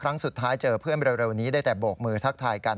ครั้งสุดท้ายเจอเพื่อนเร็วนี้ได้แต่โบกมือทักทายกัน